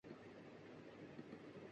تو اس کی ذمہ داری کس پر عائد ہوتی ہے؟